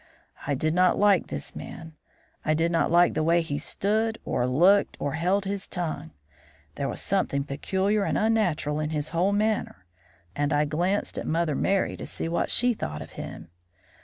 I did not like this man. I did not like the way he stood, or looked, or held his tongue. There was something peculiar and unnatural in his whole manner, and I glanced at Mother Merry to see what she thought of him.